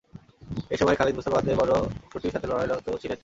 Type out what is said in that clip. এ সময় খালিদ মুসলমানদের বড় অংশটির সাথে লড়াইয়ে রত ছিলেন।